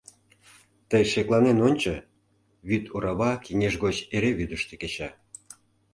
Тый шекланен Ончо: вӱд орава кеҥеж гоч эре вӱдыштӧ кеча.